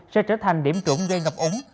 sẽ trở thành điểm trụng gây ngập ống